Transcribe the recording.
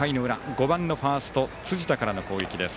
５番のファースト辻田からの攻撃です。